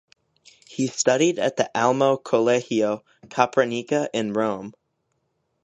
He studied at the Almo Collegio Capranica in Rome.